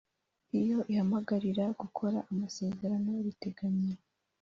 Iyo ihamagarira gukora amasezerano riteganya